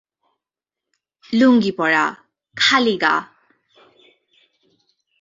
লুঙ্গি পরা, খালি গা।